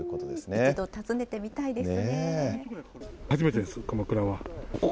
一度訪ねてみたいですね。